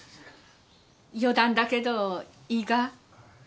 余談だけどいいか？